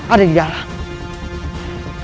ada di dalam